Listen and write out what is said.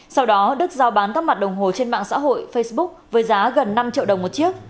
sau đó đức giao bán các mặt đồng hồ trên mạng xã hội facebook với giá gần năm triệu đồng một chiếc